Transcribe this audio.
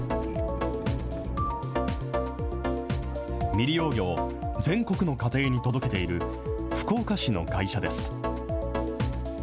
未利用魚を全国の家庭に届けている、福岡市の会社です。